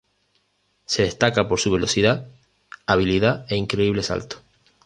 Se destaca por su velocidad, habilidad e increíble salto.